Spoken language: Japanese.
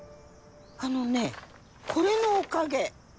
あのねこれのおかげ。